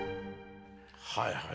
はいはい。